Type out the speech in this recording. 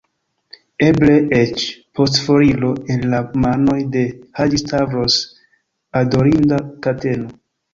Eble eĉ, post foriro el la manoj de Haĝi-Stavros, adorinda kateno!